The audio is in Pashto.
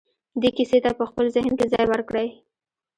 دې کيسې ته په خپل ذهن کې ځای ورکړئ.